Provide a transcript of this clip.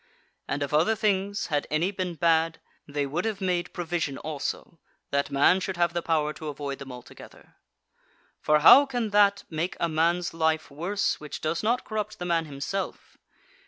And of other things, had any been bad, they would have made provision also that man should have the power to avoid them altogether. For how can that make a man's life worse which does not corrupt the man himself?